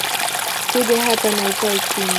Kuja hapa na ukae chini